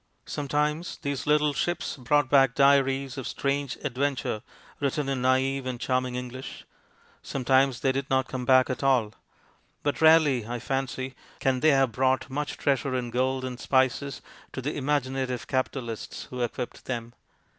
Some times these little ships brought back diaries of strange adventure written in naive and charming English ; sometimes they did not THE PHILOSOPHY OF GAMBLING 209 come back at all ; but rarely, I fancy, can they have brought much treasure in gold and spices to the imaginative capitalists who equipped them.